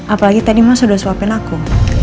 apalagi tadi mas sudah suapin aku